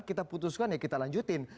kita putuskan ya kita lanjutin